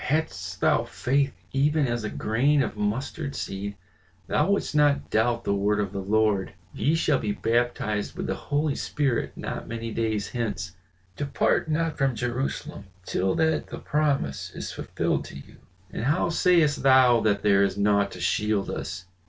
"Hadst thou faith even as a grain of mustard seed thou wouldst not doubt the word of the Lord, 'Ye shall be baptized with the Holy Spirit not many days hence; depart not from Jerusalem till that the promise is fulfilled to you!' And how sayest thou that there is naught to shield us.